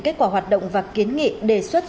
kết quả hoạt động và kiến nghị đề xuất